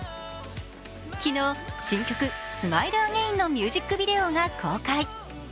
昨日、新曲「ＳｍｉｌｅＡｇａｉｎ」のミュージックビデオが公開。